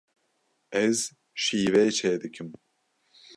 Ez şîvê çêdikim.